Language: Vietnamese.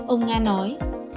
ông nga nói